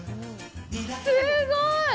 すごい！